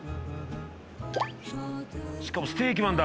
しかもステーキもあんだ。